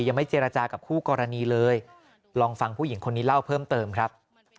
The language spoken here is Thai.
ยังไม่เจรจากับคู่กรณีเลยลองฟังผู้หญิงคนนี้เล่าเพิ่มเติมครับ